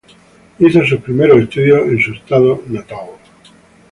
Hizo sus primeros estudios en su estado natal.